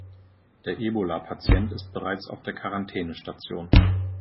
Der Ebola-Patient ist bereits auf der Quarantänestation.